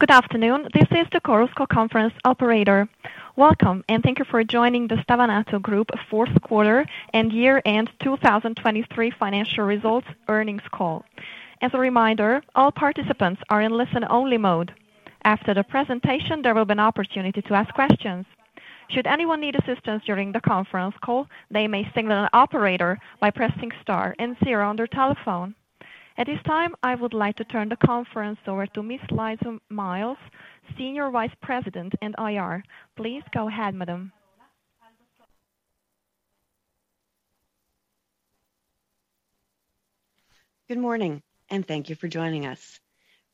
Good afternoon, this is the Chorus Call operator. Welcome, and thank you for joining the Stevanato Group fourth quarter and year-end 2023 financial results earnings call. As a reminder, all participants are in listen-only mode. After the presentation, there will be an opportunity to ask questions. Should anyone need assistance during the conference call, they may signal an operator by pressing star and zero on their telephone. At this time, I would like to turn the conference over to Ms. Lisa Miles, Senior Vice President and IR. Please go ahead, Madam. Good morning, and thank you for joining us.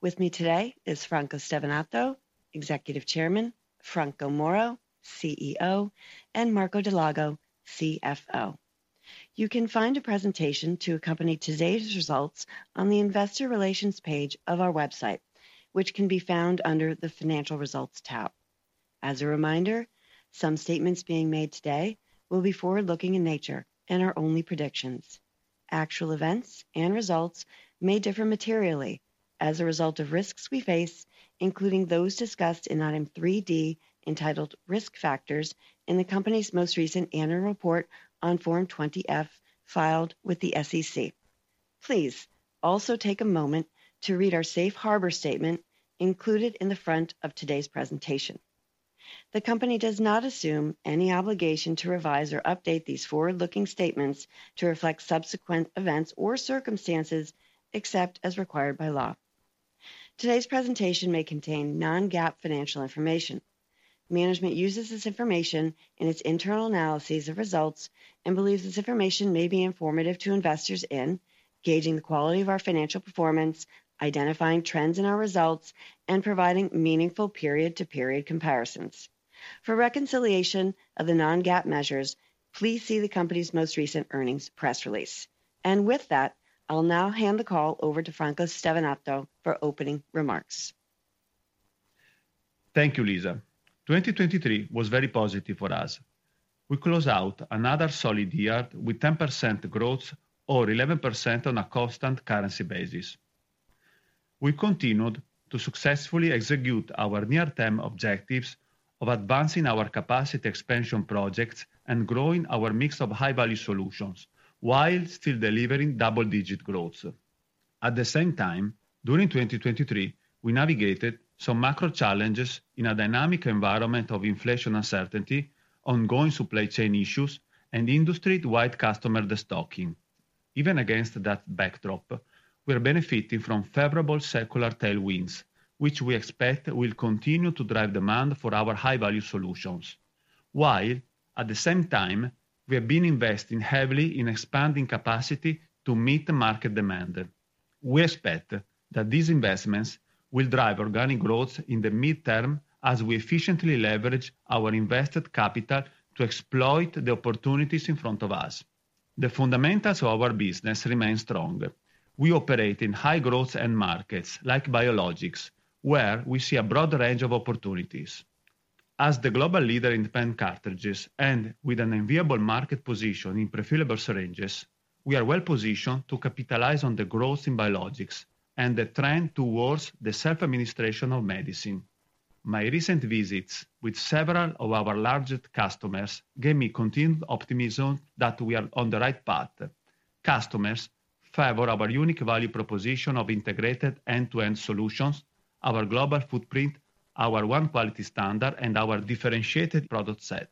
With me today is Franco Stevanato, Executive Chairman, Franco Moro, CEO, and Marco Dal Lago, CFO. You can find a presentation to accompany today's results on the Investor Relations page of our website, which can be found under the Financial Results tab. As a reminder, some statements being made today will be forward-looking in nature and are only predictions. Actual events and results may differ materially as a result of risks we face, including those discussed in item 3D entitled Risk Factors in the company's most recent annual report on Form 20-F filed with the SEC. Please also take a moment to read our Safe Harbor Statement included in the front of today's presentation. The company does not assume any obligation to revise or update these forward-looking statements to reflect subsequent events or circumstances except as required by law. Today's presentation may contain non-GAAP financial information. Management uses this information in its internal analyses of results and believes this information may be informative to investors in gauging the quality of our financial performance, identifying trends in our results, and providing meaningful period-to-period comparisons. For reconciliation of the non-GAAP measures, please see the company's most recent earnings press release. With that, I'll now hand the call over to Franco Stevanato for opening remarks. Thank you, Lisa. 2023 was very positive for us. We closed out another solid year with 10% growth or 11% on a constant currency basis. We continued to successfully execute our near-term objectives of advancing our capacity expansion projects and growing our mix of high-value solutions while still delivering double-digit growths. At the same time, during 2023, we navigated some macro challenges in a dynamic environment of inflation uncertainty, ongoing supply chain issues, and industry-wide customer destocking. Even against that backdrop, we are benefiting from favorable secular tailwinds, which we expect will continue to drive demand for our high-value solutions, while, at the same time, we have been investing heavily in expanding capacity to meet market demand. We expect that these investments will drive organic growth in the mid-term as we efficiently leverage our invested capital to exploit the opportunities in front of us. The fundamentals of our business remain strong. We operate in high-growth end markets like biologics, where we see a broad range of opportunities. As the global leader in pen cartridges and with an enviable market position in pre-fillable syringes, we are well positioned to capitalize on the growth in biologics and the trend towards the self-administration of medicine. My recent visits with several of our largest customers gave me continued optimism that we are on the right path. Customers favor our unique value proposition of integrated end-to-end solutions, our global footprint, our one quality standard, and our differentiated product set.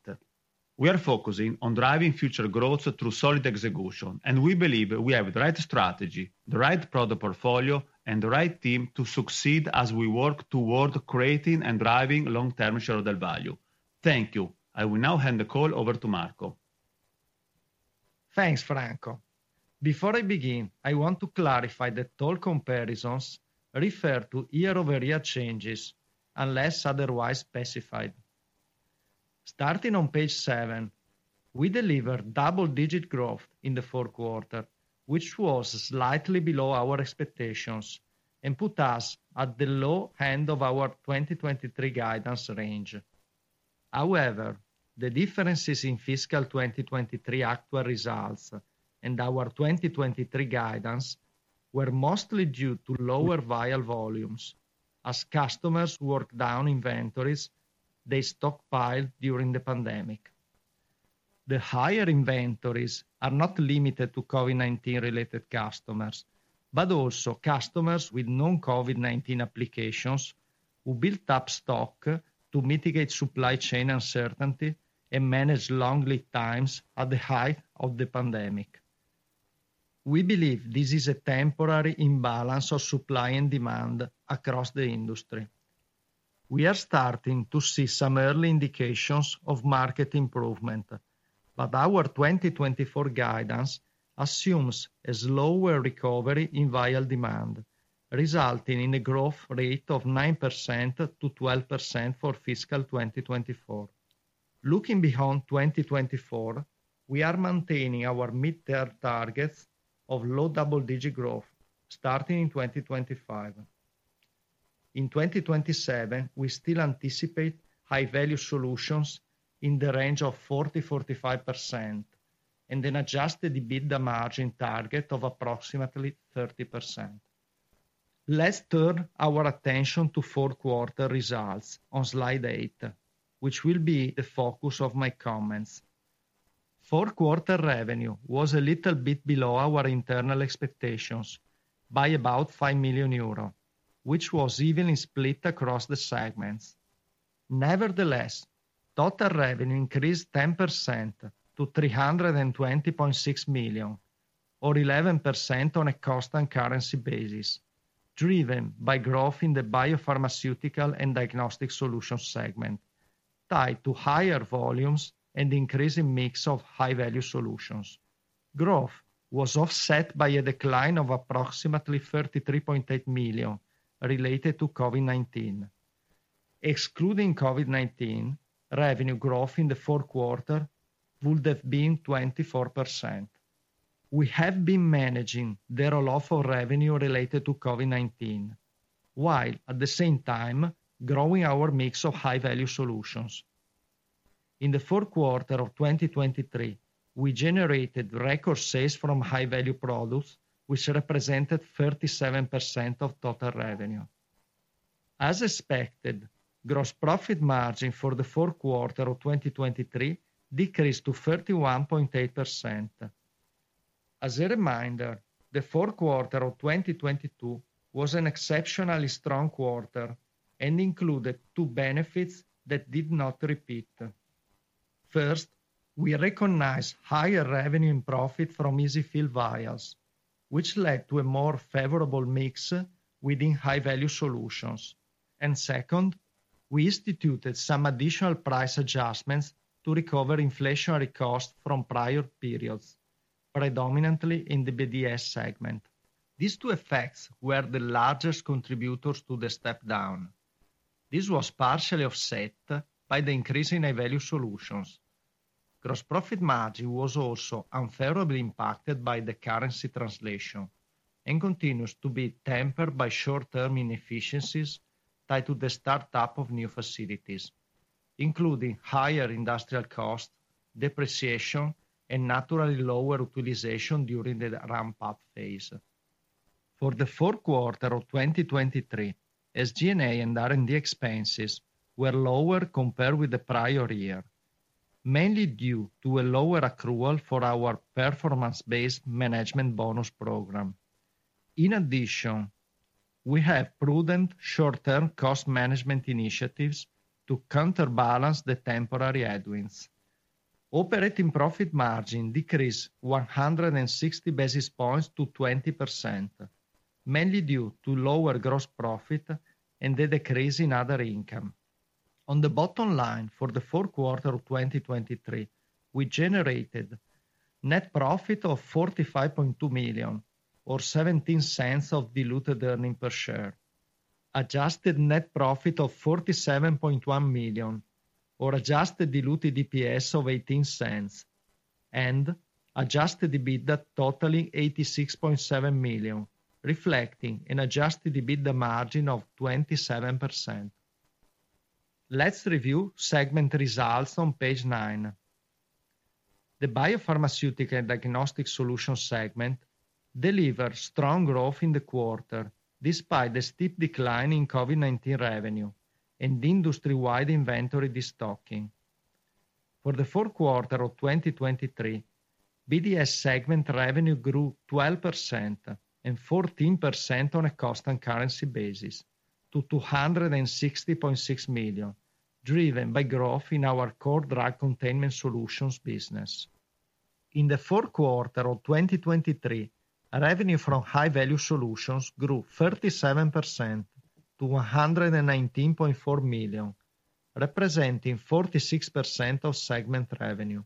We are focusing on driving future growth through solid execution, and we believe we have the right strategy, the right product portfolio, and the right team to succeed as we work toward creating and driving long-term shareholder value. Thank you. I will now hand the call over to Marco. Thanks, Franco. Before I begin, I want to clarify that all comparisons refer to year-over-year changes unless otherwise specified. Starting on page seven, we delivered double-digit growth in the fourth quarter, which was slightly below our expectations and put us at the low end of our 2023 guidance range. However, the differences in fiscal 2023 actual results and our 2023 guidance were mostly due to lower vial volumes as customers worked down inventories they stockpiled during the pandemic. The higher inventories are not limited to COVID-19-related customers but also customers with non-COVID-19 applications who built up stock to mitigate supply chain uncertainty and manage long lead times at the height of the pandemic. We believe this is a temporary imbalance of supply and demand across the industry. We are starting to see some early indications of market improvement, but our 2024 guidance assumes a slower recovery in vial demand, resulting in a growth rate of 9%-12% for fiscal 2024. Looking beyond 2024, we are maintaining our mid-term targets of low double-digit growth starting in 2025. In 2027, we still anticipate High-Value Solutions in the range of 40%-45% and an adjusted EBITDA margin target of approximately 30%. Let's turn our attention to fourth quarterresults on slide eight, which will be the focus of my comments. Fourth quarter revenue was a little bit below our internal expectations by about 5 million euro, which was evenly split across the segments. Nevertheless, total revenue increased 10% to 320.6 million, or 11% on a constant currency basis, driven by growth in the Biopharmaceutical and Diagnostic Solutions segment tied to higher volumes and increasing mix of High-Value Solutions. Growth was offset by a decline of approximately 33.8 million related to COVID-19. Excluding COVID-19, revenue growth in the fourth quarter would have been 24%. We have been managing the rolloff of revenue related to COVID-19 while, at the same time, growing our mix of high-value solutions. In the fourth quarter of 2023, we generated record sales from high-value products, which represented 37% of total revenue. As expected, gross profit margin for the fourth quarter of 2023 decreased to 31.8%. As a reminder, the fourth quarter of 2022 was an exceptionally strong quarter and included two benefits that did not repeat. First, we recognized higher revenue and profit from easy fill vials, which led to a more favorable mix within high-value solutions. And second, we instituted some additional price adjustments to recover inflationary costs from prior periods, predominantly in the BDS segment. These two effects were the largest contributors to the step down. This was partially offset by the increase in high-value solutions. Gross profit margin was also unfavorably impacted by the currency translation and continues to be tempered by short-term inefficiencies tied to the startup of new facilities, including higher industrial costs, depreciation, and naturally lower utilization during the ramp-up phase. For the fourth quarter of 2023, SG&A and R&D expenses were lower compared with the prior year, mainly due to a lower accrual for our performance-based management bonus program. In addition, we have prudent short-term cost management initiatives to counterbalance the temporary headwinds. Operating profit margin decreased 160 basis points to 20%, mainly due to lower gross profit and the decrease in other income. On the bottom line for the fourth quarter of 2023, we generated net profit of 45.2 million, or $0.17 of diluted earnings per share. Adjusted net profit of 47.1 million, or adjusted diluted EPS of $0.18. And adjusted EBITDA totaling 86.7 million, reflecting an adjusted EBITDA margin of 27%. Let's review segment results on page 9. The biopharmaceutical and diagnostic solutions segment delivered strong growth in the quarter despite a steep decline in COVID-19 revenue and industry-wide inventory distocking. For the fourth quarter of 2023, BDS segment revenue grew 12% and 14% on a constant currency basis to 260.6 million, driven by growth in our core drug containment solutions business. In the fourth quarter of 2023, revenue from High-Value Solutions grew 37% to 119.4 million, representing 46% of segment revenue.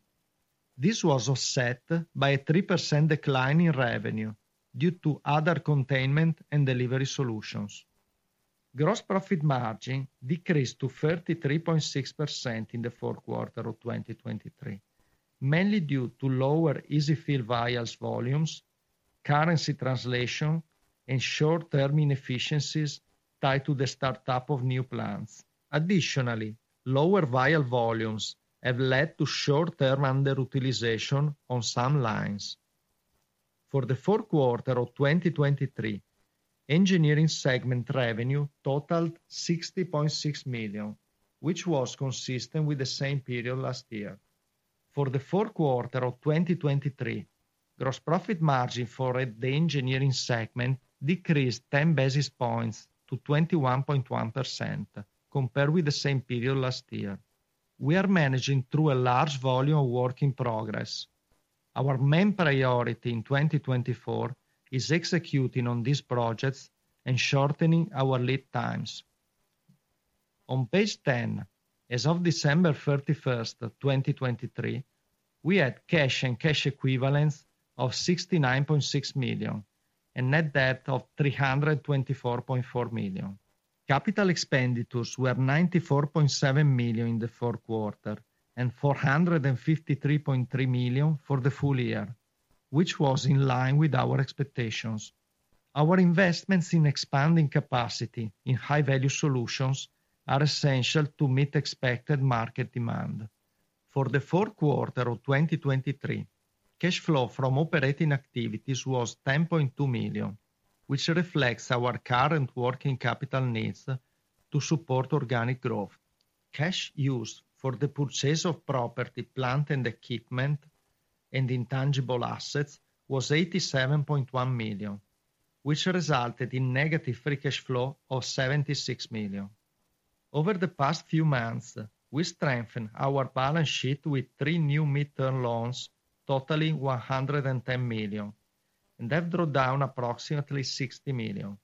This was offset by a 3% decline in revenue due to other containment and delivery solutions. Gross profit margin decreased to 33.6% in the fourth quarter of 2023, mainly due to lower EZ-fill vials volumes, currency translation, and short-term inefficiencies tied to the startup of new plants. Additionally, lower vial volumes have led to short-term underutilization on some lines. For the fourth quarter of 2023, engineering segment revenue totaled 60.6 million, which was consistent with the same period last year. For the fourth quarter of 2023, gross profit margin for the engineering segment decreased 10 basis points to 21.1% compared with the same period last year. We are managing through a large volume of work in progress. Our main priority in 2024 is executing on these projects and shortening our lead times. On page 10, as of December 31, 2023, we had cash and cash equivalents of 69.6 million and net debt of 324.4 million. Capital expenditures were 94.7 million in the fourth quarter and 453.3 million for the full year, which was in line with our expectations. Our investments in expanding capacity in high-value solutions are essential to meet expected market demand. For the fourth quarter of 2023, cash flow from operating activities was 10.2 million, which reflects our current working capital needs to support organic growth. Cash used for the purchase of property, plant, and equipment, and intangible assets was 87.1 million, which resulted in negative free cash flow of 76 million. Over the past few months, we strengthened our balance sheet with three new mid-term loans totally 110 million and have drawn down approximately 60 million.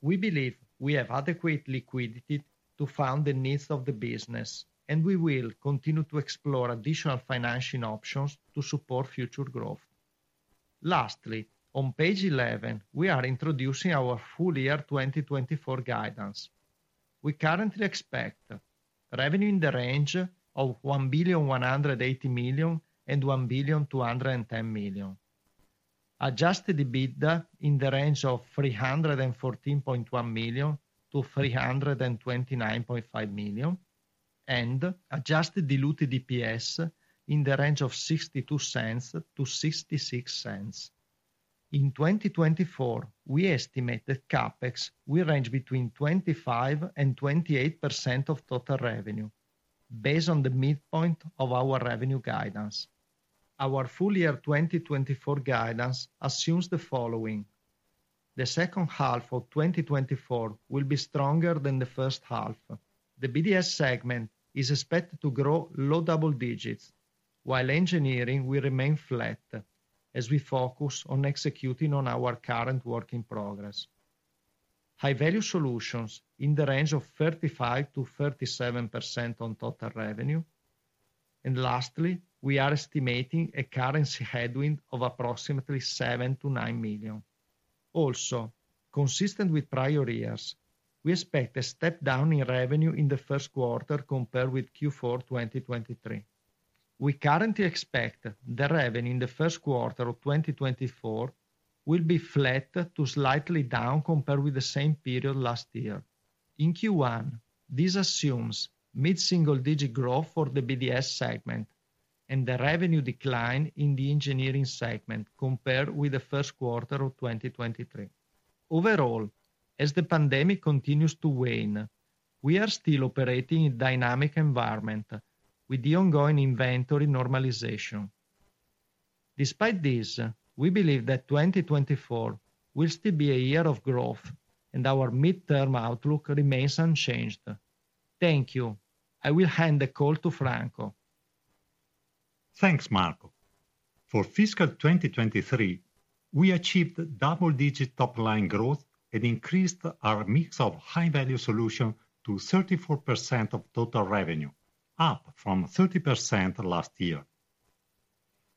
We believe we have adequate liquidity to fund the needs of the business, and we will continue to explore additional financing options to support future growth. Lastly, on page 11, we are introducing our full year 2024 guidance. We currently expect revenue in the range of €1,180 million-€1,210 million. Adjusted EBITDA in the range of €314.1 million-€329.5 million, and adjusted diluted EPS in the range of €0.62-€0.66. In 2024, we estimated CapEx will range between 25%-28% of total revenue based on the midpoint of our revenue guidance. Our full year 2024 guidance assumes the following: The second half of 2024 will be stronger than the first half. The BDS segment is expected to grow low double digits, while engineering will remain flat as we focus on executing on our current work in progress. High-Value Solutions in the range of 35%-37% on total revenue. And lastly, we are estimating a currency headwind of approximately €7 million-€9 million. Also, consistent with prior years, we expect a step down in revenue in the first quarter compared with Q4 2023. We currently expect the revenue in the first quarter of 2024 will be flat to slightly down compared with the same period last year. In Q1, this assumes mid-single-digit growth for the BDS segment and the revenue decline in the engineering segment compared with the first quarter of 2023. Overall, as the pandemic continues to wane, we are still operating in a dynamic environment with the ongoing inventory normalization. Despite this, we believe that 2024 will still be a year of growth, and our mid-term outlook remains unchanged. Thank you. I will hand the call to Franco. Thanks, Marco. For fiscal 2023, we achieved double-digit top-line growth and increased our mix of high-value solutions to 34% of total revenue, up from 30% last year.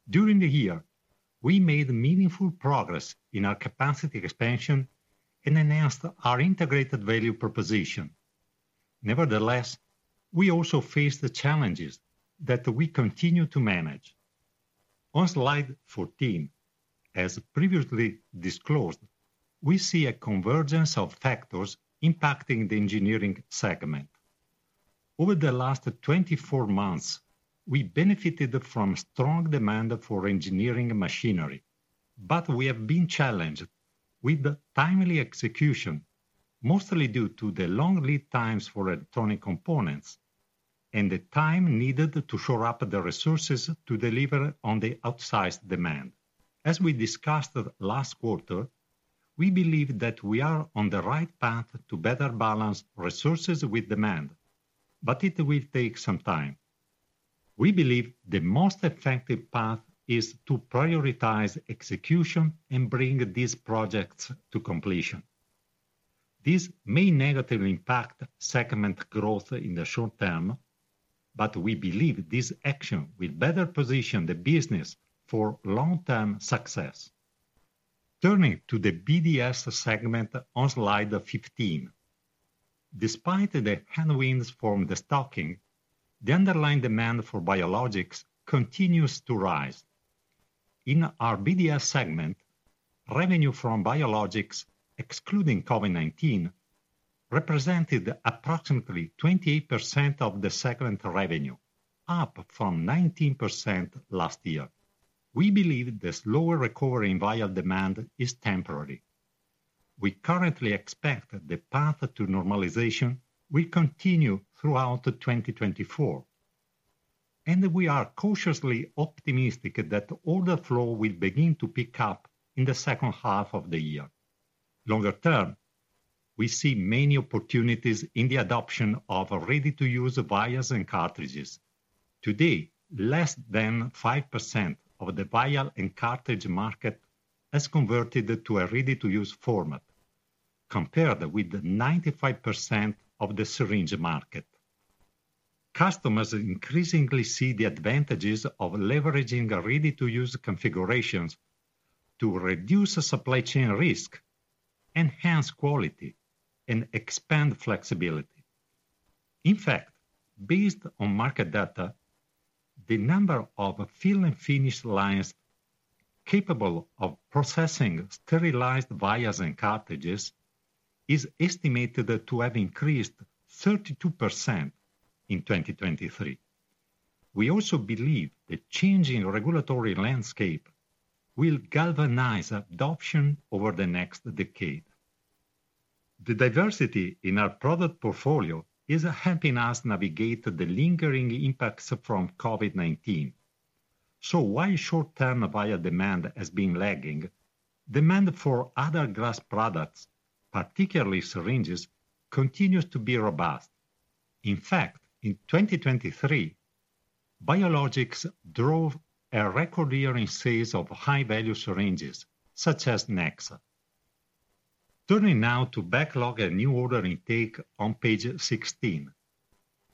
During the year, we made meaningful progress in our capacity expansion and enhanced our integrated value proposition. Nevertheless, we also faced challenges that we continue to manage. On slide 14, as previously disclosed, we see a convergence of factors impacting the Engineering segment. Over the last 24 months, we benefited from strong demand for engineering machinery, but we have been challenged with timely execution, mostly due to the long lead times for electronic components and the time needed to shore up the resources to deliver on the outsized demand. As we discussed last quarter, we believe that we are on the right path to better balance resources with demand, but it will take some time. We believe the most effective path is to prioritize execution and bring these projects to completion. This may negatively impact segment growth in the short term, but we believe this action will better position the business for long-term success. Turning to the BDS segment on slide 15. Despite the headwinds from distocking, the underlying demand for biologics continues to rise. In our BDS segment, revenue from biologics, excluding COVID-19, represented approximately 28% of the segment revenue, up from 19% last year. We believe the slower recovery in vial demand is temporary. We currently expect the path to normalization will continue throughout 2024, and we are cautiously optimistic that order flow will begin to pick up in the second half of the year. Longer term, we see many opportunities in the adoption of ready-to-use vials and cartridges. Today, less than 5% of the vial and cartridge market has converted to a ready-to-use format compared with 95% of the syringe market. Customers increasingly see the advantages of leveraging ready-to-use configurations to reduce supply chain risk, enhance quality, and expand flexibility. In fact, based on market data, the number of fill-and-finish lines capable of processing sterilized vials and cartridges is estimated to have increased 32% in 2023. We also believe the changing regulatory landscape will galvanize adoption over the next decade. The diversity in our product portfolio is helping us navigate the lingering impacts from COVID-19. So while short-term vial demand has been lagging, demand for other glass products, particularly syringes, continues to be robust. In fact, in 2023, biologics drove a record year in sales of high-value syringes such as Nexa. Turning now to backlog and new order intake on page 16.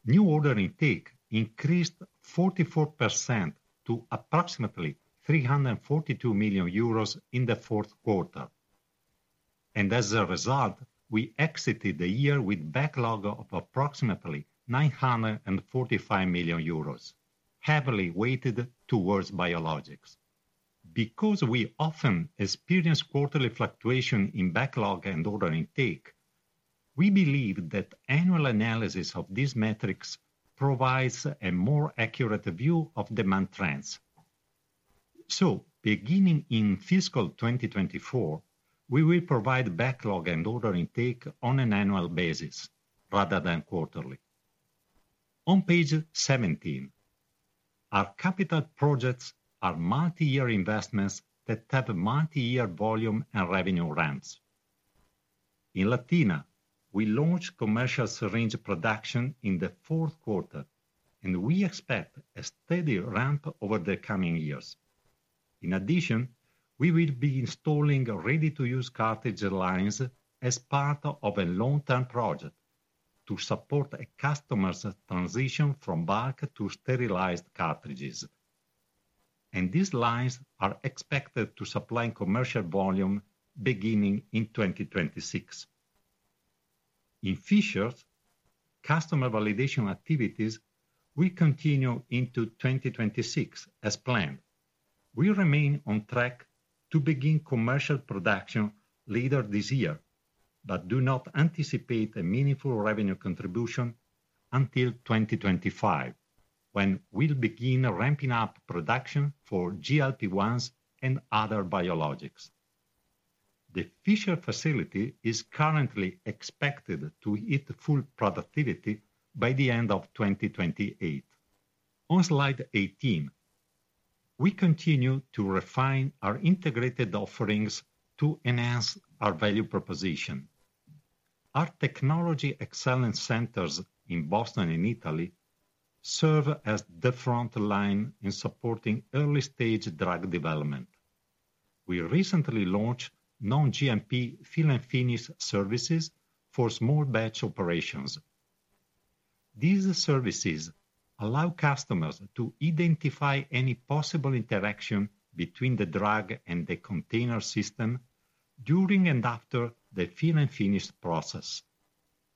New order intake increased 44% to approximately 342 million euros in the fourth quarter. As a result, we exited the year with backlog of approximately 945 million euros, heavily weighted towards biologics. Because we often experience quarterly fluctuation in backlog and order intake, we believe that annual analysis of these metrics provides a more accurate view of demand trends. Beginning in fiscal 2024, we will provide backlog and order intake on an annual basis rather than quarterly. On page 17, our capital projects are multi-year investments that have multi-year volume and revenue ramps. In Latina, we launched commercial syringe production in the fourth quarter, and we expect a steady ramp over the coming years. In addition, we will be installing ready-to-use cartridge lines as part of a long-term project to support a customer's transition from bulk to sterilized cartridges. These lines are expected to supply commercial volume beginning in 2026. In Fishers, customer validation activities will continue into 2026 as planned. We remain on track to begin commercial production later this year, but do not anticipate a meaningful revenue contribution until 2025, when we'll begin ramping up production for GLP-1s and other biologics. The Fishers facility is currently expected to hit full productivity by the end of 2028. On Slide 18, we continue to refine our integrated offerings to enhance our value proposition. Our Technology Excellence Centers in Boston and Italy serve as the front line in supporting early-stage drug development. We recently launched non-GMP fill-and-finish services for small batch operations. These services allow customers to identify any possible interaction between the drug and the container system during and after the fill-and-finish process.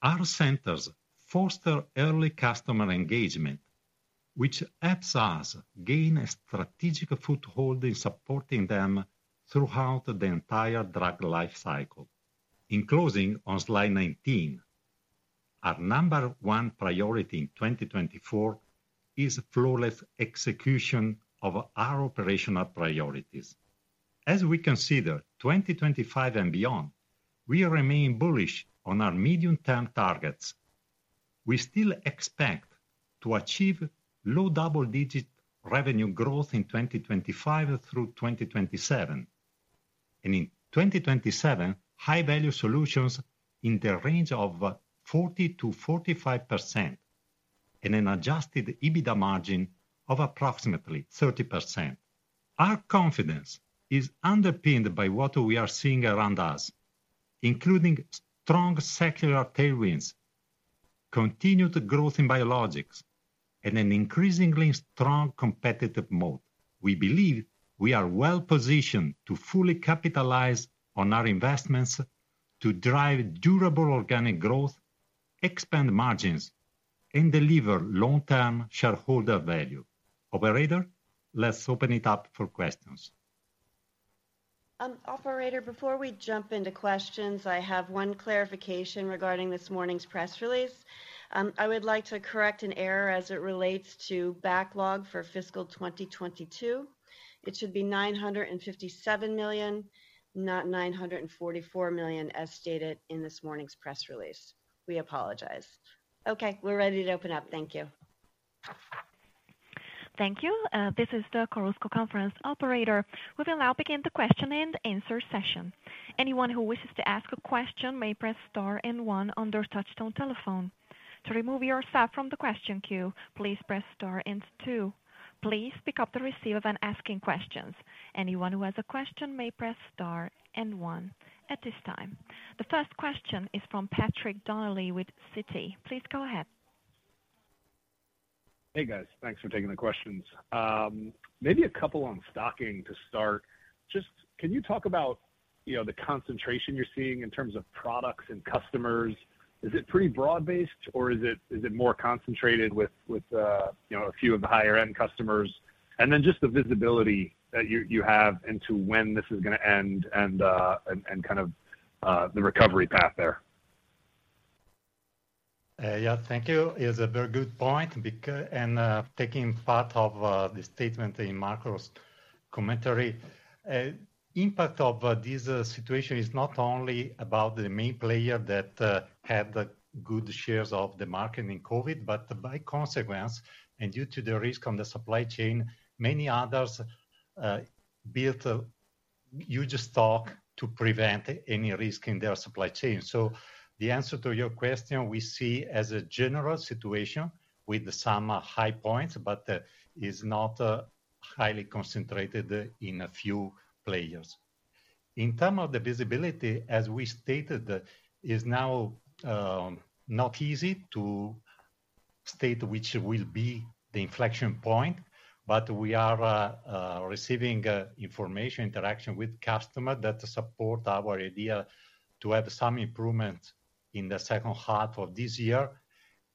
Our centers foster early customer engagement, which helps us gain a strategic foothold in supporting them throughout the entire drug lifecycle. In closing, on slide 19, our number one priority in 2024 is flawless execution of our operational priorities. As we consider 2025 and beyond, we remain bullish on our medium-term targets. We still expect to achieve low double-digit revenue growth in 2025 through 2027, and in 2027, high-value solutions in the range of 40%-45% and an adjusted EBITDA margin of approximately 30%. Our confidence is underpinned by what we are seeing around us, including strong secular tailwinds, continued growth in biologics, and an increasingly strong competitive moat. We believe we are well positioned to fully capitalize on our investments to drive durable organic growth, expand margins, and deliver long-term shareholder value. Operator, let's open it up for questions. Operator, before we jump into questions, I have one clarification regarding this morning's press release. I would like to correct an error as it relates to backlog for fiscal 2022. It should be 957 million, not 944 million as stated in this morning's press release. We apologize. Okay, we're ready to open up. Thank you. Thank you. This is the Chorus Call Conference. Operator, we will now begin the question and answer session. Anyone who wishes to ask a question may press star and one on their touch-tone telephone. To remove yourself from the question queue, please press star and two. Please pick up the receiver when asking questions. Anyone who has a question may press star and one at this time. The first question is from Patrick Donnelly with Citi. Please go ahead. Hey, guys. Thanks for taking the questions. Maybe a couple on stocking to start. Just can you talk about the concentration you're seeing in terms of products and customers? Is it pretty broad-based, or is it more concentrated with a few of the higher-end customers? And then just the visibility that you have into when this is going to end and kind of the recovery path there. Yeah, thank you. It's a very good point. And taking part of the statement in Marco's commentary, the impact of this situation is not only about the main player that had good shares of the market in COVID, but by consequence, and due to the risk on the supply chain, many others built huge stock to prevent any risk in their supply chain. So the answer to your question, we see as a general situation with some high points, but it's not highly concentrated in a few players. In terms of the visibility, as we stated, it's now not easy to state which will be the inflection point, but we are receiving information, interaction with customers that support our idea to have some improvements in the second half of this year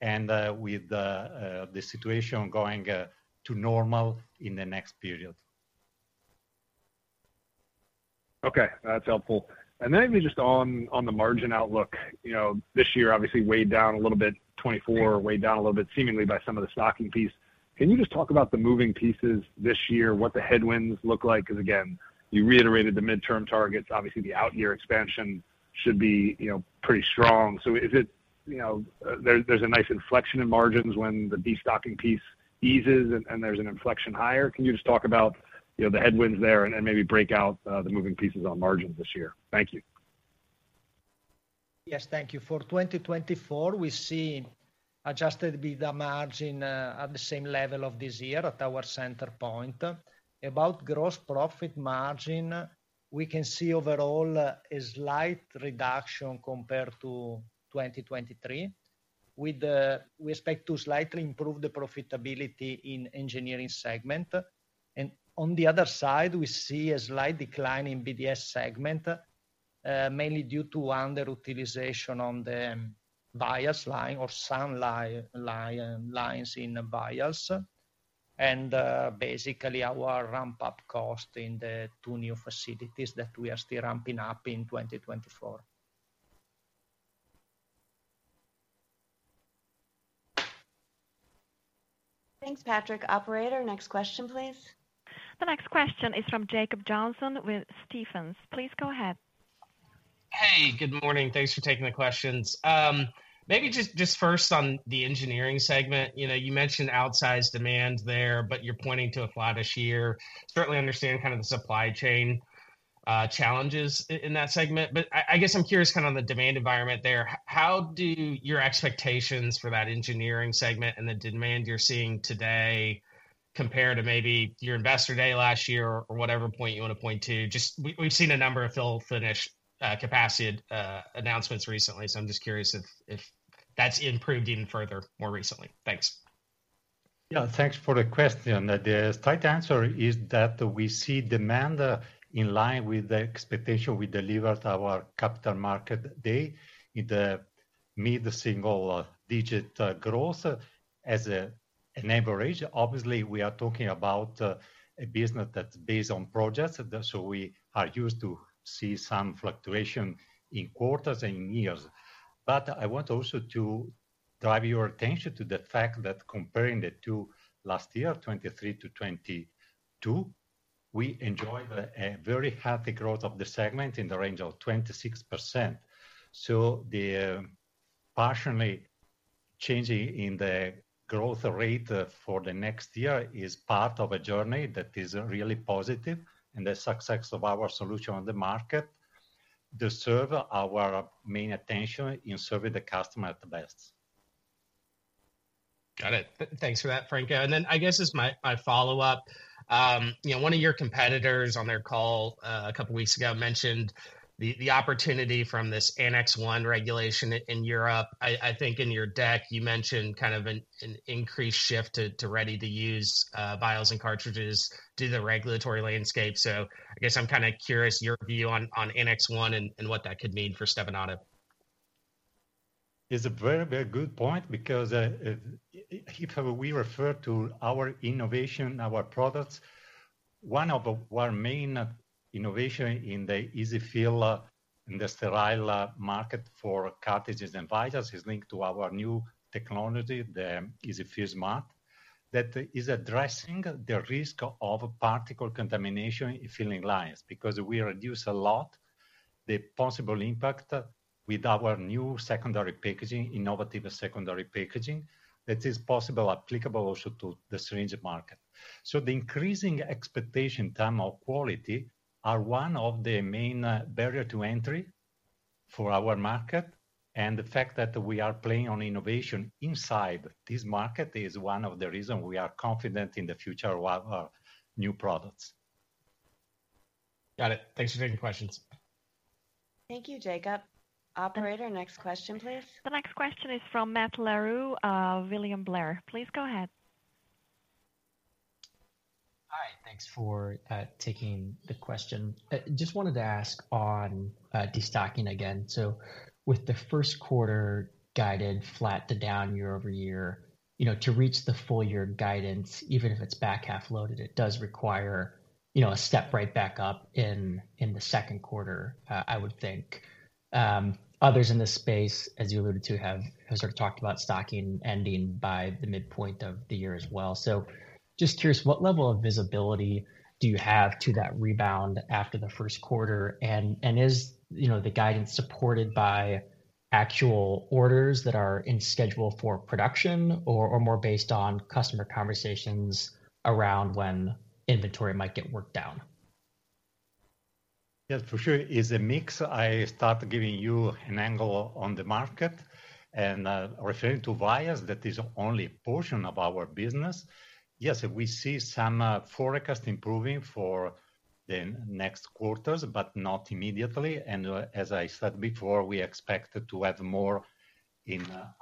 and with the situation going to normal in the next period. Okay, that's helpful. And then maybe just on the margin outlook. This year, obviously, weighed down a little bit, 2024 weighed down a little bit seemingly by some of the stocking piece. Can you just talk about the moving pieces this year, what the headwinds look like? Because again, you reiterated the midterm targets. Obviously, the out-year expansion should be pretty strong. So is it there's a nice inflection in margins when the de-stocking piece eases and there's an inflection higher? Can you just talk about the headwinds there and maybe break out the moving pieces on margins this year? Thank you. Yes, thank you. For 2024, we see Adjusted EBITDA margin at the same level of this year at our center point. About gross profit margin, we can see overall a slight reduction compared to 2023. We expect to slightly improve the profitability in Engineering segment. And on the other side, we see a slight decline in BDS segment, mainly due to underutilization on the vials line or some lines in vials and basically our ramp-up cost in the two new facilities that we are still ramping up in 2024. Thanks, Patrick. Operator, next question, please. The next question is from Jacob Johnson with Stephens. Please go ahead. Hey, good morning. Thanks for taking the questions. Maybe just first on the Engineering segment. You mentioned outsized demand there, but you're pointing to a flatter year. Certainly understand kind of the supply chain challenges in that segment. But I guess I'm curious kind of on the demand environment there. How do your expectations for that Engineering segment and the demand you're seeing today compare to maybe your investor day last year or whatever point you want to point to? We've seen a number of fill-finish capacity announcements recently, so I'm just curious if that's improved even further more recently. Thanks. Yeah, thanks for the question. The tight answer is that we see demand in line with the expectation we delivered our capital market day in the mid-single-digit growth as an average. Obviously, we are talking about a business that's based on projects. So we are used to see some fluctuation in quarters and in years. But I want also to drive your attention to the fact that comparing the two last year, 2023 to 2022, we enjoyed a very healthy growth of the segment in the range of 26%. So the partially changing in the growth rate for the next year is part of a journey that is really positive. And the success of our solution on the market deserves our main attention in serving the customer at the best. Got it. Thanks for that, Franco. And then I guess as my follow-up, one of your competitors on their call a couple of weeks ago mentioned the opportunity from this Annex 1 regulation in Europe. I think in your deck, you mentioned kind of an increased shift to ready-to-use vials and cartridges due to the regulatory landscape. So I guess I'm kind of curious your view on Annex 1 and what that could mean for Stevanato. It's a very, very good point because if we refer to our innovation, our products, one of our main innovations in the EZ-fill and the sterile market for cartridges and vials is linked to our new technology, the EZ-fill Smart, that is addressing the risk of particle contamination in filling lines because we reduce a lot the possible impact with our new secondary packaging, innovative secondary packaging that is possible, applicable also to the syringe market. So the increasing expectation in terms of quality are one of the main barriers to entry for our market. And the fact that we are playing on innovation inside this market is one of the reasons we are confident in the future of our new products. Got it. Thanks for taking questions. Thank you, Jacob. Operator, next question, please. The next question is from Matt Larew, William Blair. Please go ahead. Hi. Thanks for taking the question. Just wanted to ask on de-stocking again. So with the first quarter guided flat to down year-over-year, to reach the full-year guidance, even if it's back half-loaded, it does require a step right back up in the second quarter, I would think. Others in this space, as you alluded to, have sort of talked about stocking ending by the midpoint of the year as well. So just curious, what level of visibility do you have to that rebound after the first quarter? And is the guidance supported by actual orders that are in schedule for production or more based on customer conversations around when inventory might get worked down? Yes, for sure. It's a mix. I'll start giving you an angle on the market. Referring to vials, that is only a portion of our business. Yes, we see some forecast improving for the next quarters, but not immediately. As I said before, we expect to have more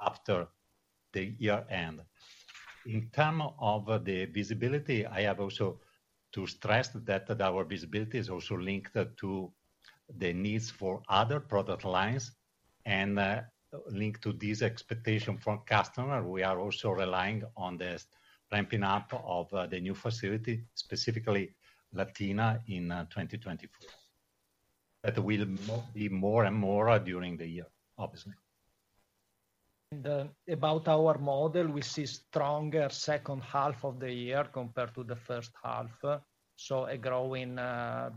after the year-end. In terms of the visibility, I have also to stress that our visibility is also linked to the needs for other product lines and linked to this expectation from customers. We are also relying on the ramping up of the new facility, specifically Latina, in 2024. That will be more and more during the year, obviously. About our model, we see stronger second half of the year compared to the first half. A growing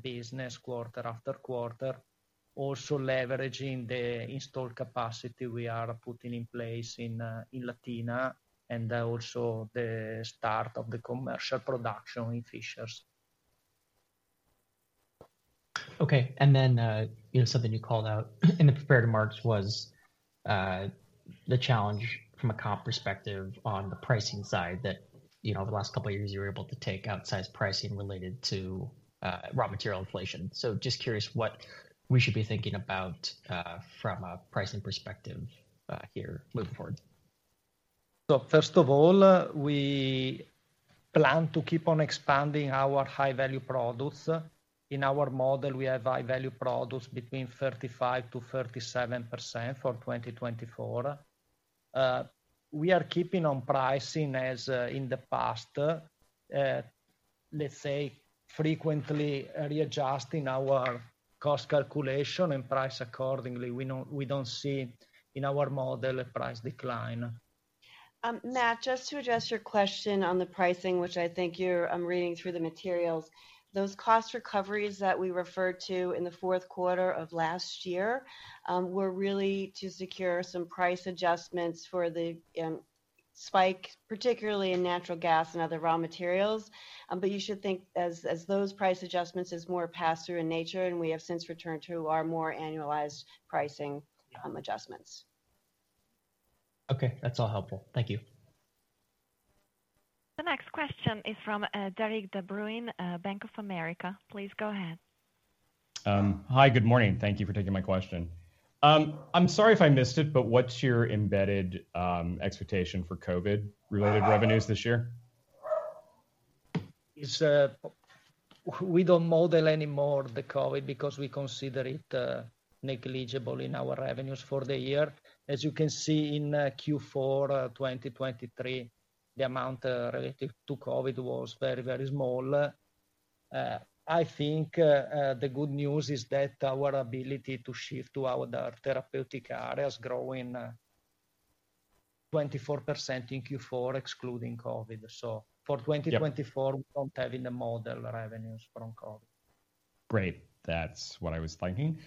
business quarter after quarter, also leveraging the installed capacity we are putting in place in Latina and also the start of the commercial production in Fishers. Okay. And then something you called out in the prepared remarks was the challenge from a comp perspective on the pricing side that over the last couple of years, you were able to take outsized pricing related to raw material inflation. So just curious what we should be thinking about from a pricing perspective here moving forward? First of all, we plan to keep on expanding our high-value products. In our model, we have high-value products between 35%-37% for 2024. We are keeping on pricing as in the past, let's say, frequently readjusting our cost calculation and price accordingly. We don't see in our model a price decline. Matt, just to address your question on the pricing, which I think I'm reading through the materials, those cost recoveries that we referred to in the fourth quarter of last year were really to secure some price adjustments for the spike, particularly in natural gas and other raw materials. But you should think as those price adjustments are more pass-through in nature, and we have since returned to our more annualized pricing adjustments. Okay. That's all helpful. Thank you. The next question is from Derik de Bruin, Bank of America. Please go ahead. Hi, good morning. Thank you for taking my question. I'm sorry if I missed it, but what's your embedded expectation for COVID-related revenues this year? We don't model anymore the COVID because we consider it negligible in our revenues for the year. As you can see in Q4 2023, the amount relative to COVID was very, very small. I think the good news is that our ability to shift to other therapeutic areas is growing 24% in Q4 excluding COVID. So for 2024, we don't have in the model revenues from COVID. Great. That's what I was thinking.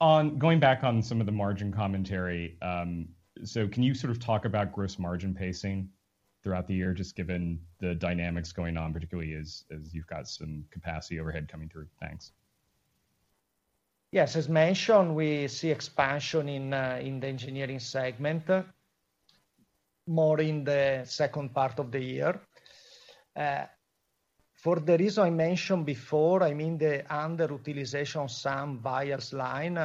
Going back on some of the margin commentary, so can you sort of talk about gross margin pacing throughout the year, just given the dynamics going on, particularly as you've got some capacity overhead coming through? Thanks. Yes. As mentioned, we see expansion in the Engineering segment more in the second part of the year. For the reason I mentioned before, I mean the underutilization of some vials line,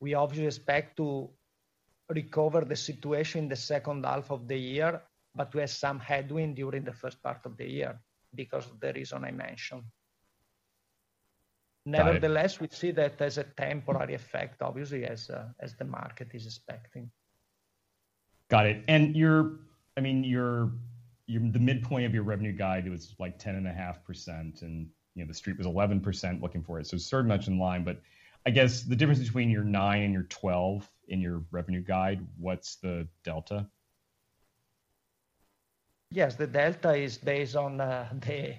we obviously expect to recover the situation in the second half of the year, but we have some headwind during the first part of the year because of the reason I mentioned. Nevertheless, we see that as a temporary effect, obviously, as the market is expecting. Got it. And I mean, the midpoint of your revenue guide, it was like 10.5%, and the street was 11% looking for it. So it's sort of much in line. But I guess the difference between your 9% and your 12% in your revenue guide, what's the delta? Yes, the delta is based on the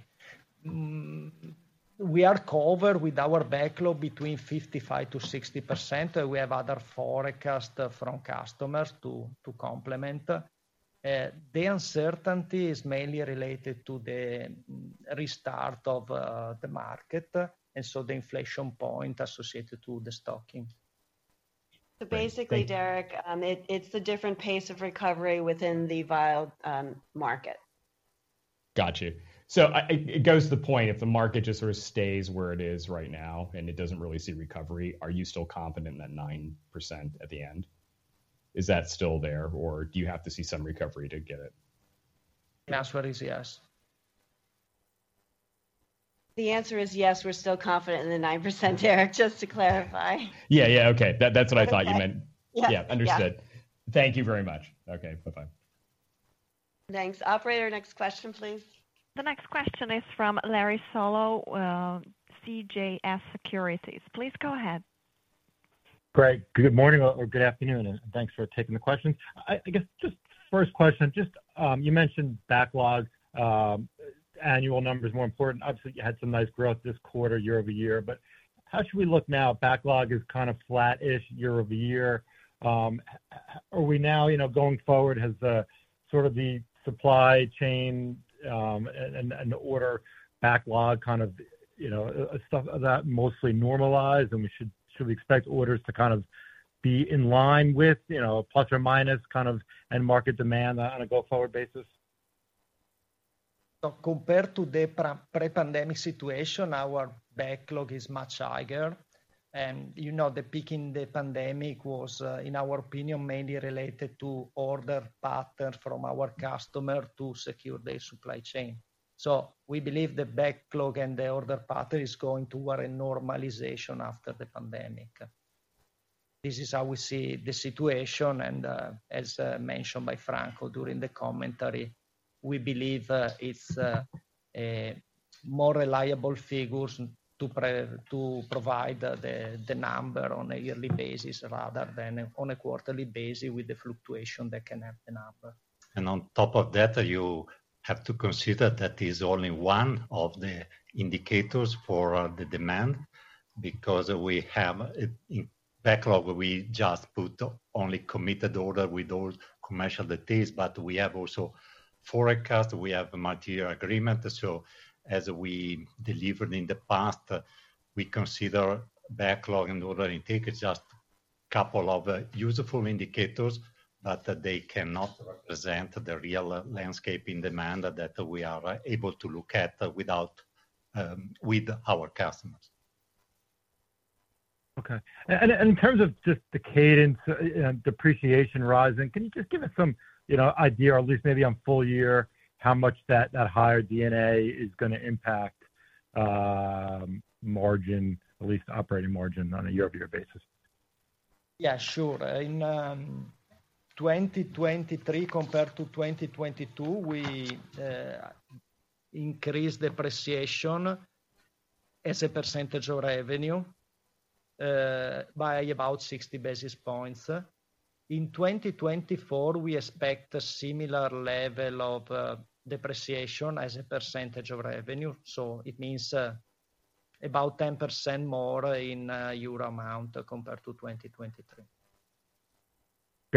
we are covered with our backlog between 55%-60%. We have other forecasts from customers to complement. The uncertainty is mainly related to the restart of the market and so the inflation point associated to the stocking. So basically, Derik, it's the different pace of recovery within the vial market. Gotcha. So it goes to the point, if the market just sort of stays where it is right now and it doesn't really see recovery, are you still confident in that 9% at the end? Is that still there, or do you have to see some recovery to get it? Matt Larew, yes. The answer is yes, we're still confident in the 9%, Derik, just to clarify. Yeah, yeah. Okay. That's what I thought you meant. Yeah. Yeah, understood. Thank you very much. Okay. Bye-bye. Thanks. Operator, next question, please. The next question is from Larry Solow, CJS Securities. Please go ahead. Great. Good morning or good afternoon, and thanks for taking the questions. I guess just first question, you mentioned backlog, annual number is more important. Obviously, you had some nice growth this quarter, year-over-year. But how should we look now? Backlog is kind of flat-ish year-over-year. Are we now going forward, has sort of the supply chain and order backlog kind of stuff that mostly normalized, and should we expect orders to kind of be in line with plus or minus kind of and market demand on a go-forward basis? So compared to the pre-pandemic situation, our backlog is much higher. And the peak in the pandemic was, in our opinion, mainly related to order patterns from our customers to secure their supply chain. So we believe the backlog and the order pattern is going toward a normalization after the pandemic. This is how we see the situation. And as mentioned by Franco during the commentary, we believe it's more reliable figures to provide the number on a yearly basis rather than on a quarterly basis with the fluctuation that can have the number. And on top of that, you have to consider that is only one of the indicators for the demand because we have in backlog, we just put only committed order with all commercial details. But we have also forecast. We have a material agreement. As we delivered in the past, we consider backlog and ordering tickets just a couple of useful indicators, but they cannot represent the real landscape in demand that we are able to look at with our customers. Okay. And in terms of just the cadence, depreciation rising, can you just give us some idea, or at least maybe on full year, how much that higher D&A is going to impact margin, at least operating margin, on a year-over-year basis? Yeah, sure. In 2023 compared to 2022, we increased depreciation as a percentage of revenue by about 60 basis points. In 2024, we expect a similar level of depreciation as a percentage of revenue. So it means about 10% more in euro amount compared to 2023.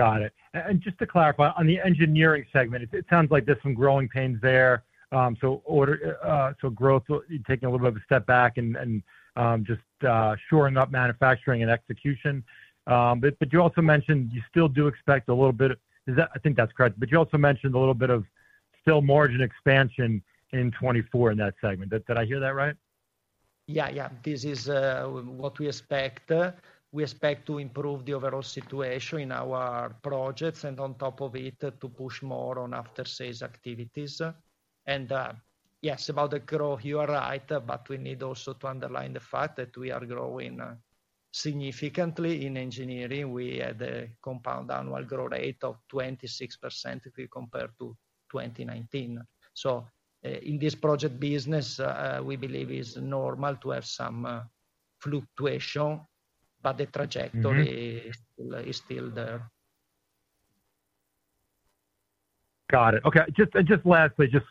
Got it. And just to clarify, on the Engineering segment, it sounds like there's some growing pains there. So growth, taking a little bit of a step back and just shoring up manufacturing and execution. But you also mentioned you still do expect a little bit of I think that's correct. But you also mentioned a little bit of still margin expansion in 2024 in that segment. Did I hear that right? Yeah, yeah. This is what we expect. We expect to improve the overall situation in our projects and on top of it to push more on after-sales activities. And yes, about the growth, you are right, but we need also to underline the fact that we are growing significantly in engineering. We had a compound annual growth rate of 26% compared to 2019. So in this project business, we believe it's normal to have some fluctuation, but the trajectory is still there. Got it. Okay. Just lastly, just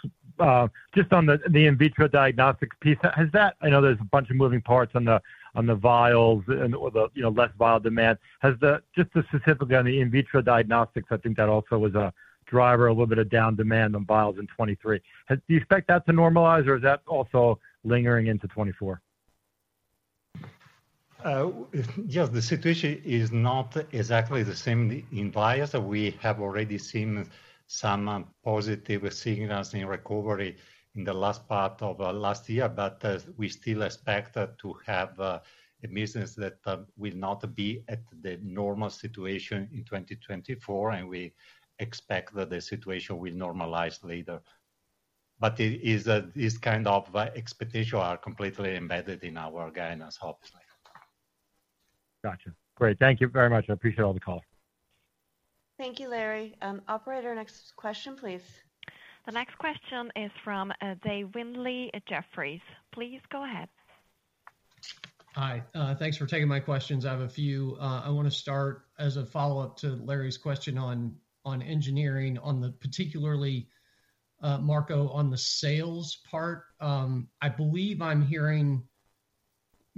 on the in vitro diagnostics piece, I know there's a bunch of moving parts on the vials or the less vial demand. Just specifically on the in vitro diagnostics, I think that also was a driver, a little bit of down demand on vials in 2023. Do you expect that to normalize, or is that also lingering into 2024? Yes, the situation is not exactly the same in vials. We have already seen some positive signals in recovery in the last part of last year, but we still expect to have a business that will not be at the normal situation in 2024, and we expect that the situation will normalize later. But these kind of expectations are completely embedded in our guidance, obviously. Gotcha. Great. Thank you very much. I appreciate all the call. Thank you, Larry. Operator, next question, please. The next question is from Dave Windley, Jefferies. Please go ahead. Hi. Thanks for taking my questions. I have a few. I want to start as a follow-up to Larry's question on engineering, particularly, Marco, on the sales part. I believe I'm hearing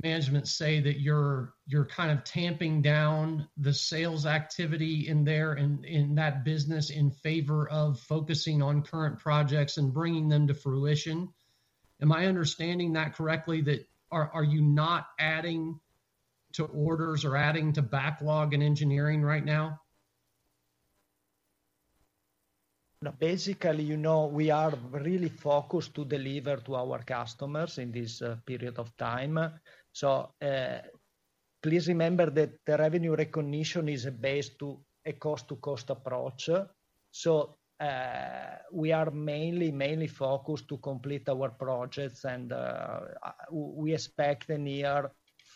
management say that you're kind of tamping down the sales activity in that business in favor of focusing on current projects and bringing them to fruition. Am I understanding that correctly? Are you not adding to orders or adding to backlog in engineering right now? Basically, we are really focused to deliver to our customers in this period of time. So please remember that the revenue recognition is based on a cost-to-cost approach. So we are mainly, mainly focused to complete our projects, and we expect a year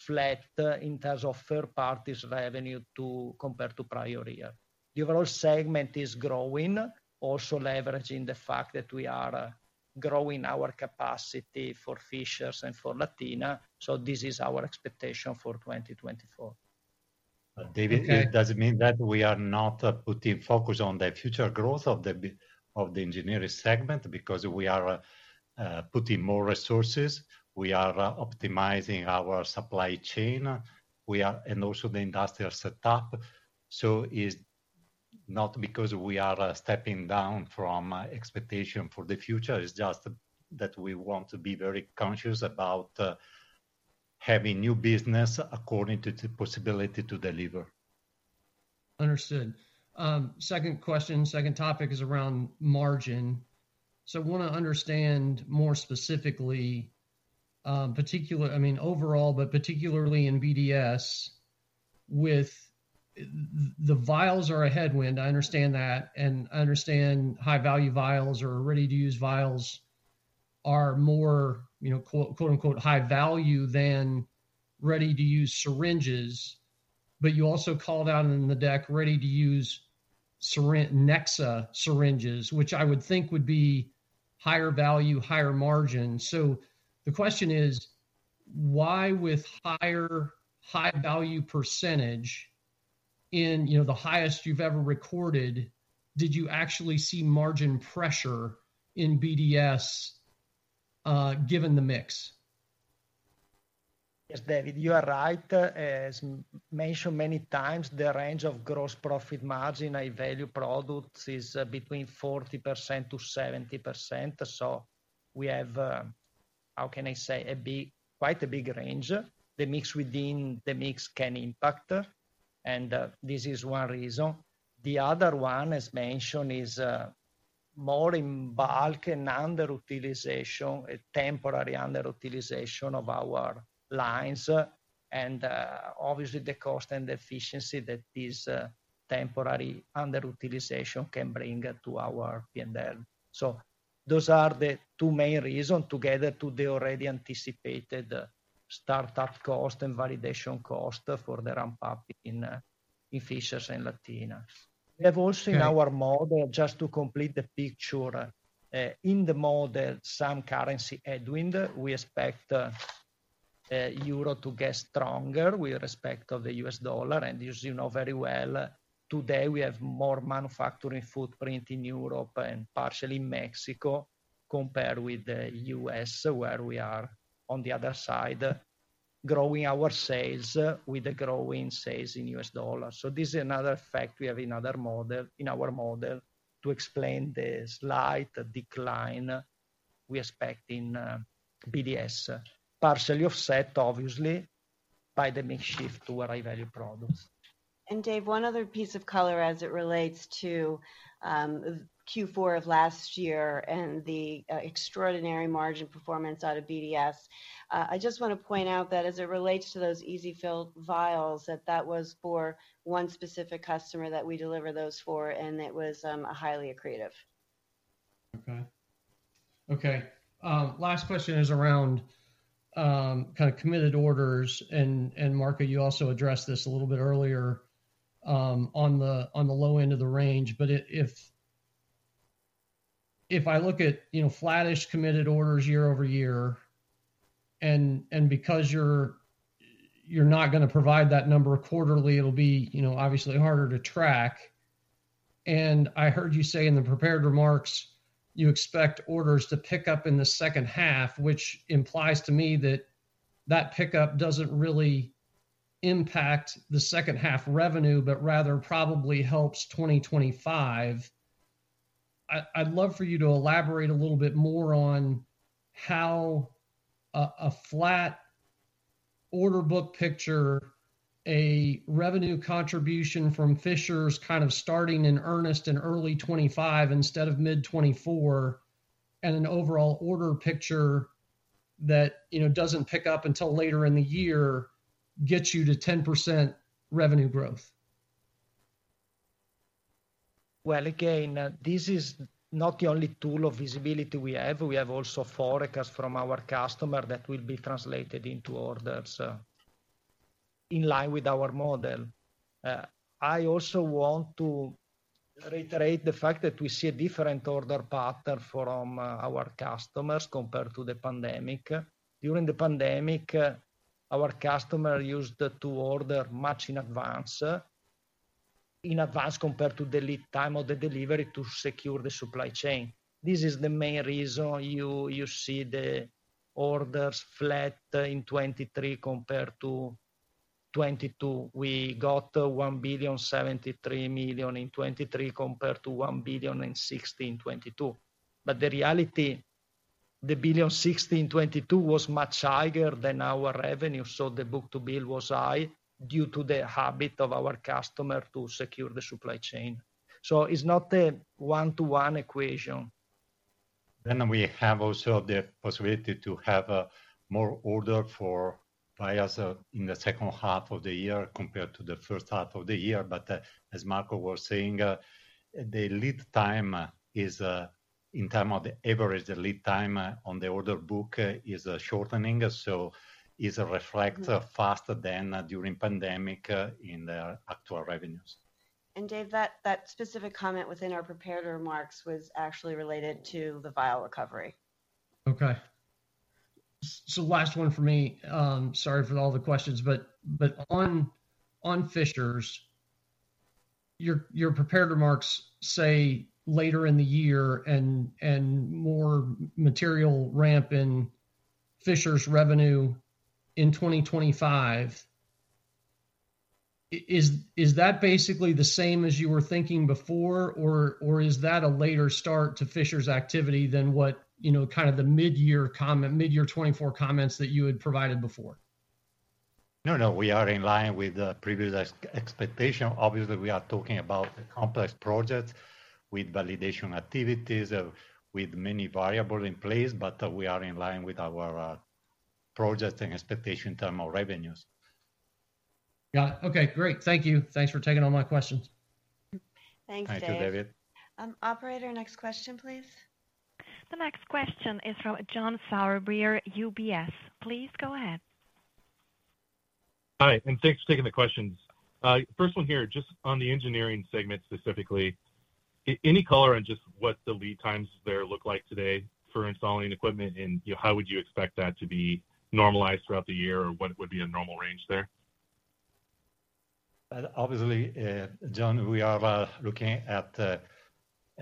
flat in terms of third-party revenue compared to prior year. The overall segment is growing, also leveraging the fact that we are growing our capacity for Fishers and for Latina. So this is our expectation for 2024. David, does it mean that we are not putting focus on the future growth of the Engineering segment because we are putting more resources? We are optimizing our supply chain and also the industrial setup. So it's not because we are stepping down from expectation for the future. It's just that we want to be very conscious about having new business according to the possibility to deliver. Understood. Second question, second topic is around margin. So I want to understand more specifically, I mean, overall, but particularly in BDS, with the vials are a headwind. I understand that, and I understand high-value vials or ready-to-use vials are more "high value" than ready-to-use syringes. But you also called out in the deck ready-to-use Nexa syringes, which I would think would be higher value, higher margin. So the question is, why with higher high-value percentage in the highest you've ever recorded, did you actually see margin pressure in BDS given the mix? Yes, David, you are right. As mentioned many times, the range of gross profit margin for high-value products is between 40%-70%. So we have, how can I say, quite a big range. The mix within the mix can impact, and this is one reason. The other one, as mentioned, is more in bulk and temporary underutilization of our lines and obviously the cost and efficiency that this temporary underutilization can bring to our P&L. So those are the two main reasons together to the already anticipated startup cost and validation cost for the ramp-up in Fishers and Latina. We have also in our model, just to complete the picture, in the model, some currency headwind. We expect euro to get stronger with respect to the US dollar. As you know very well, today, we have more manufacturing footprint in Europe and partially in Mexico compared with the U.S., where we are on the other side growing our sales with the growing sales in U.S. dollar. So this is another fact we have in our model to explain the slight decline we expect in BDS, partially offset, obviously, by the mix shift to higher value products. Dave, one other piece of color as it relates to Q4 of last year and the extraordinary margin performance out of BDS. I just want to point out that as it relates to those EZ-fill vials, that that was for one specific customer that we deliver those for, and it was highly accretive. Okay. Okay. Last question is around kind of committed orders. And Marco, you also addressed this a little bit earlier on the low end of the range. But if I look at flat-ish committed orders year-over-year, and because you're not going to provide that number quarterly, it'll be obviously harder to track. And I heard you say in the prepared remarks, you expect orders to pick up in the second half, which implies to me that that pickup doesn't really impact the second half revenue but rather probably helps 2025. I'd love for you to elaborate a little bit more on how a flat order book picture, a revenue contribution from Fishers kind of starting in earnest in early 2025 instead of mid-2024, and an overall order picture that doesn't pick up until later in the year gets you to 10% revenue growth. Well, again, this is not the only tool of visibility we have. We have also forecasts from our customer that will be translated into orders in line with our model. I also want to reiterate the fact that we see a different order pattern from our customers compared to the pandemic. During the pandemic, our customer used to order much in advance compared to the lead time of the delivery to secure the supply chain. This is the main reason you see the orders flat in 2023 compared to 2022. We got EUR 1,073 million in 2023 compared to 1,060 million in 2022. But the reality, the 1,060 million in 2022 was much higher than our revenue. So the book-to-bill was high due to the habit of our customer to secure the supply chain. So it's not a one-to-one equation. We have also the possibility to have more order for vials in the second half of the year compared to the first half of the year. But as Marco was saying, the lead time is in terms of the average lead time on the order book is shortening, so it reflects faster than during pandemic in the actual revenues. Dave, that specific comment within our prepared remarks was actually related to the vial recovery. Okay. So last one for me. Sorry for all the questions. But on Fishers, your prepared remarks say later in the year and more material ramp in Fishers' revenue in 2025. Is that basically the same as you were thinking before, or is that a later start to Fishers' activity than kind of the mid-year 2024 comments that you had provided before? No, no. We are in line with the previous expectation. Obviously, we are talking about complex projects with validation activities, with many variables in place, but we are in line with our projects and expectation in terms of revenues. Got it. Okay. Great. Thank you. Thanks for taking all my questions. Thanks, Dave. Thank you, David. Operator, next question, please. The next question is from John Sourbeer, UBS. Please go ahead. Hi. Thanks for taking the questions. First one here, just on the engineering segment specifically, any color on just what the lead times there look like today for installing equipment, and how would you expect that to be normalized throughout the year, or what would be a normal range there? Obviously, John, we are looking at a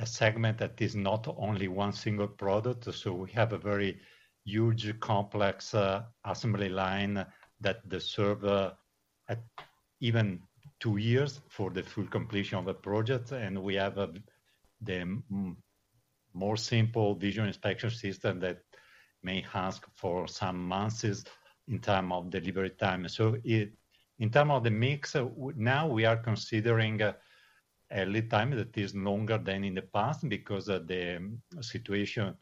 segment that is not only one single product. So we have a very huge, complex assembly line that deserves even 2 years for the full completion of a project. And we have the more simple visual inspection system that may ask for some months in terms of delivery time. So in terms of the mix, now we are considering a lead time that is longer than in the past because the situation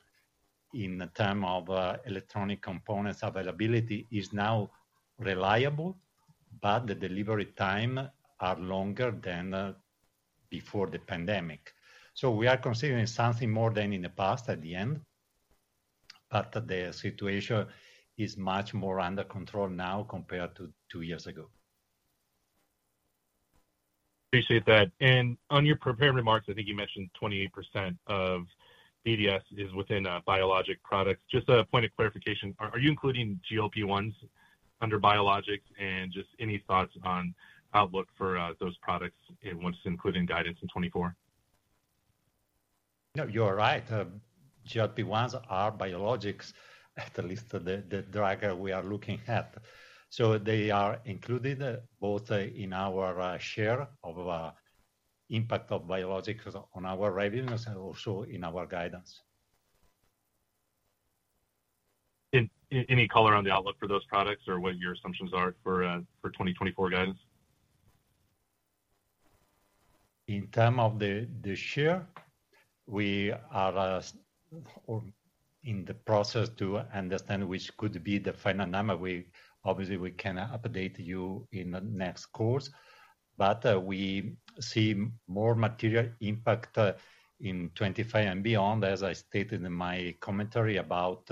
in terms of electronic components availability is now reliable, but the delivery times are longer than before the pandemic. So we are considering something more than in the past at the end, but the situation is much more under control now compared to 2 years ago. Appreciate that. On your prepared remarks, I think you mentioned 28% of BDS is within biologic products. Just a point of clarification, are you including GLP-1s under biologics, and just any thoughts on outlook for those products once including guidance in 2024? No, you are right. GLP-1s are biologics, at least the drug we are looking at. So they are included both in our share of impact of biologics on our revenues and also in our guidance. Any color on the outlook for those products or what your assumptions are for 2024 guidance? In terms of the share, we are in the process to understand which could be the final number. Obviously, we can update you in the next course. But we see more material impact in 2025 and beyond, as I stated in my commentary about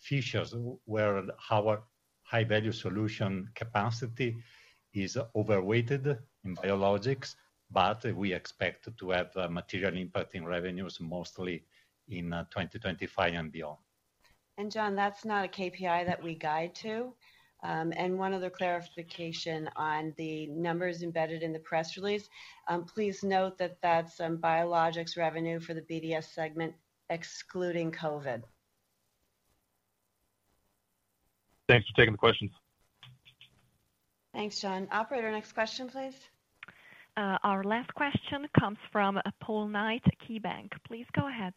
Fishers, where our high-value solution capacity is overweighted in biologics, but we expect to have material impact in revenues mostly in 2025 and beyond. John, that's not a KPI that we guide to. One other clarification on the numbers embedded in the press release, please note that that's biologics revenue for the BDS segment excluding COVID. Thanks for taking the questions. Thanks, John. Operator, next question, please. Our last question comes from Paul Knight, KeyBanc. Please go ahead.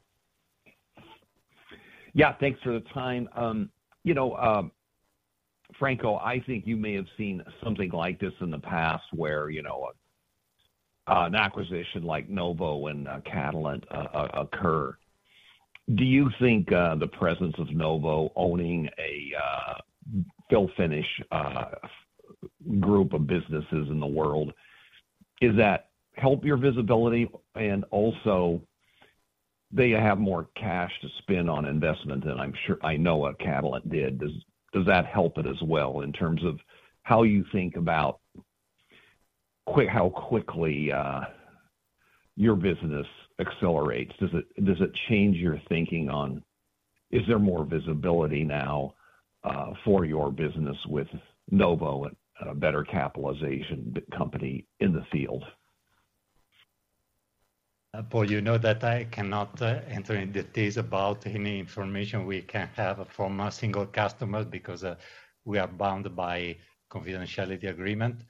Yeah. Thanks for the time. Franco, I think you may have seen something like this in the past where an acquisition like Novo and Catalent occur. Do you think the presence of Novo owning a fill-finish group of businesses in the world, does that help your visibility? And also, they have more cash to spend on investment, and I know Catalent did. Does that help it as well in terms of how you think about how quickly your business accelerates? Does it change your thinking on, "Is there more visibility now for your business with Novo, a better capitalization company in the field? Paul, you know that I cannot enter into details about any information we can have from a single customer because we are bound by confidentiality agreement.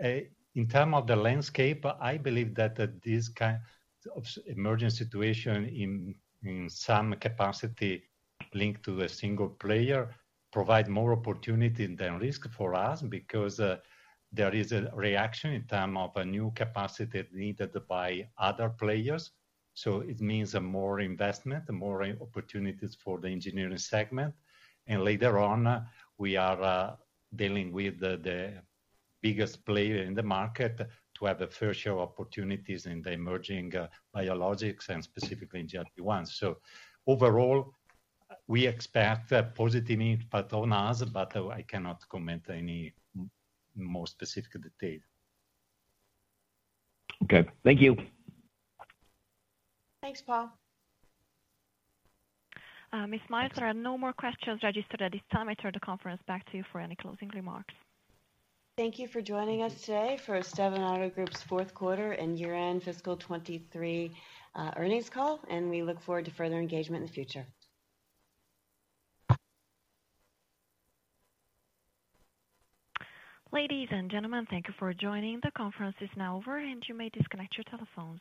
In terms of the landscape, I believe that this kind of emergent situation in some capacity linked to a single player provides more opportunity than risk for us because there is a reaction in terms of a new capacity needed by other players. So it means more investment, more opportunities for the engineering segment. And later on, we are dealing with the biggest player in the market to have a fair share of opportunities in the emerging biologics and specifically in GLP-1s. So overall, we expect a positive impact on us, but I cannot comment any more specific details. Okay. Thank you. Thanks, Paul. Ms. Miles, there are no more questions registered at this time. I turn the conference back to you for any closing remarks. Thank you for joining us today for Stevanato Group's fourth quarter and year-end fiscal 2023 earnings call. We look forward to further engagement in the future. Ladies and gentlemen, thank you for joining. The conference is now over, and you may disconnect your telephones.